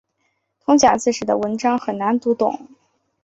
通假字使得文章很难读懂。